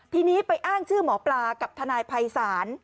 ทีนี้ไปอ้างชื่อหมอปลากับทนายภัยศาล